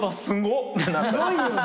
すごいよね。